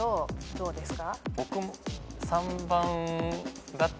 どうですか？